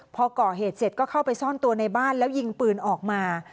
พอก่อเหตุเสร็จก็เข้าไปซ่อนตัวในบ้านแล้วยิงปืนออกมา